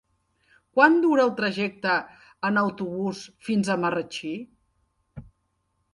Quant dura el trajecte en autobús fins a Marratxí?